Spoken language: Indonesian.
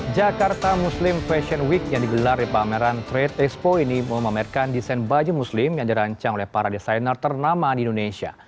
jakarta muslim fashion week yang digelar di pameran trade expo ini memamerkan desain baju muslim yang dirancang oleh para desainer ternama di indonesia